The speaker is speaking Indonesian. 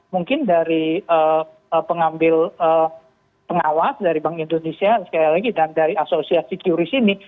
mungkin dari pengawas dari bank indonesia dan asosiasi qris ini